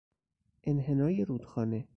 انحنای رودخانه